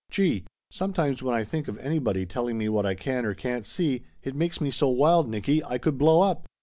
Gee! Sometimes when I think of anybody telling me what I can or can't see, it makes me so wild, Nicky, I could blow up